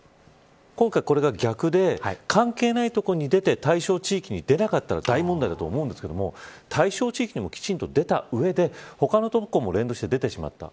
今回、これが逆で関係ない所に出て、対象地域に出なかったら大問題だと思うんですけど対象地域にもきちんと出た上で他の所も連動して出てしまった。